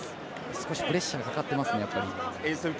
少しプレッシャーがかかってますね。